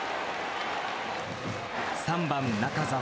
３番中沢。